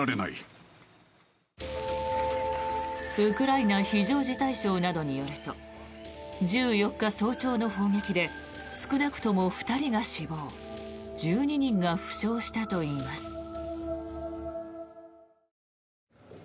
ウクライナ非常事態省などによると１４日早朝の砲撃で少なくとも２人が死亡１２人が負傷したといいます。